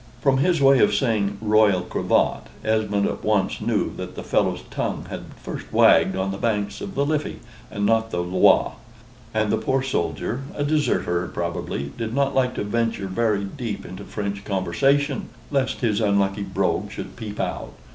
From his way of saying "Royal Cravat," Esmond at once knew that the fellow's tongue had first wagged on the banks of the Liffey, and not the Loire; and the poor soldier a deserter probably did not like to venture very deep into French conversation, lest his unlucky brogue should peep out.